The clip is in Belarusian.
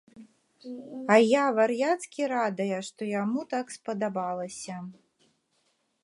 А я вар'яцкі радая, што яму так спадабалася.